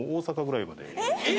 えっ！？